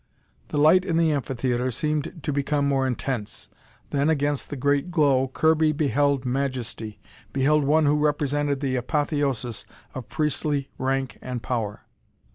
The light in the amphitheatre seemed to become more intense. Then, against the great glow, Kirby beheld majesty, beheld one who represented the apotheosis of priestly rank and power.